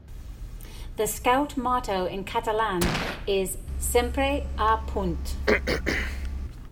The Scout motto in Catalan is "Sempre a punt".